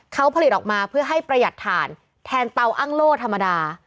เขาผลิตออกมาเพื่อให้ประหยัดฐานแทนเตาอ้างโล่ธรรมดา